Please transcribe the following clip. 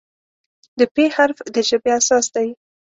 د "پ" حرف د ژبې اساس دی.